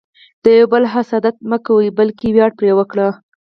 د یو بل حسادت مه کوه، بلکې ویاړ پرې وکړه.